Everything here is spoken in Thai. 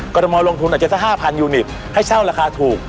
กรมอลลงทุนอาจจะสัก๕๐๐ยูนิตให้เช่าราคาถูก